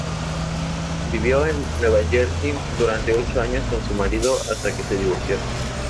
Vivió en New Jersey durante ocho años con su marido hasta que se divorciaron.